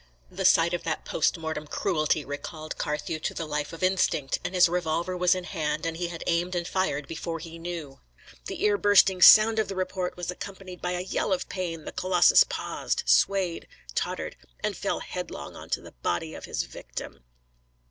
The sight of that post mortem cruelty recalled Carthew to the life of instinct, and his revolver was in hand and he had aimed and fired before he knew. The ear bursting sound of the report was accompanied by a yell of pain; the colossus paused, swayed, tottered, and fell headlong on the body of his victim.